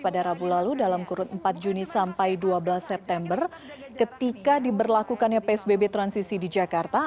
pada rabu lalu dalam kurun empat juni sampai dua belas september ketika diberlakukannya psbb transisi di jakarta